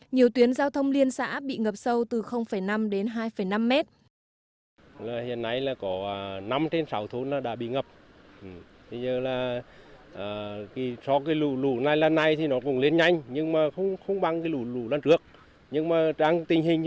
nhiều tuyến giao thông liên xã bị ngập sâu từ năm đến hai năm mét